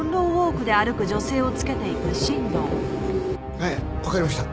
はいわかりました。